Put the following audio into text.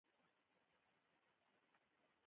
زه خپل قلم نیسم.